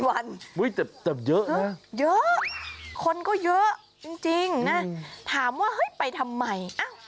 เยอะนะเยอะคนก็เยอะจริงนะถามว่าไปทำไม